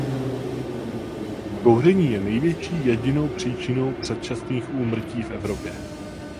Kouření je největší jedinou příčinou předčasných úmrtí v Evropě.